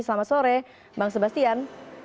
selamat sore bang sebastian